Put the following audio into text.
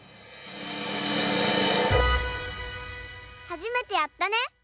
はじめてやったね！